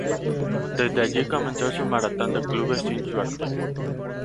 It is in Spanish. Desde allí comenzó su maratón de clubes sin suerte.